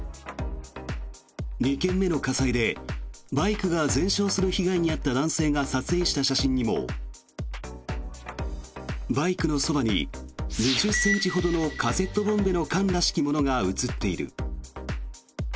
２件目の火災でバイクが全焼する被害に遭った男性が撮影した写真にもバイクのそばに、２０ｃｍほどのカセットボンベの缶らしきものが映っている。